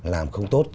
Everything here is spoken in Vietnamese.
làm không tốt